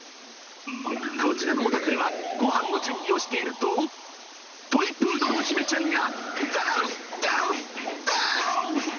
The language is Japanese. こちらのお宅では、ごはんの準備をしていると、トイプードルの姫ちゃんがダンス、ダンス、ダンス。